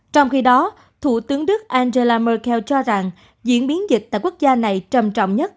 trong khi đó thủ tướng đức angela merkell cho rằng diễn biến dịch tại quốc gia này trầm trọng nhất